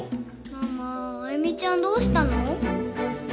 ママ愛魅ちゃんどうしたの？